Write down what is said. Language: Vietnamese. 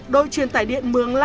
đội truyền tải điện mường la